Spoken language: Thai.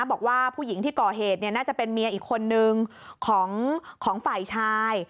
บอกว่าผู้หญิงที่ก่อเหตุน่าจะเป็นเมียอีกคนนึงของฝ่ายชาย